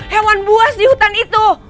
hewan buas di hutan itu